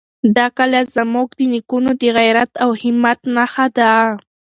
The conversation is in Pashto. دا کلا زموږ د نېکونو د غیرت او همت نښه ده.